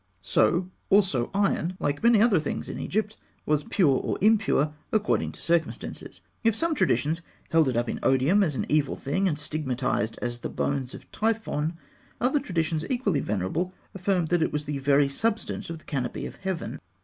So also iron, like many other things in Egypt, was pure or impure according to circumstances. If some traditions held it up to odium as an evil thing, and stigmatised it as the "bones of Typhon," other traditions equally venerable affirmed that it was the very substance of the canopy of heaven.